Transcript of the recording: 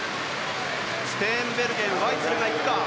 ステーンベルゲンワイツェルが行った。